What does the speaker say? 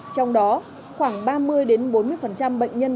trong đó khoảng ba mươi bốn mươi bệnh nhân